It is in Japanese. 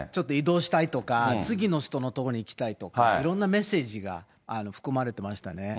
ちょっと移動したいとか、次の人のところに行きたいとか、いろんなメッセージが含まれてましたね。